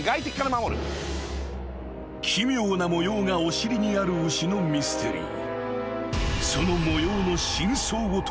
［奇妙な模様がお尻にある牛のミステリー］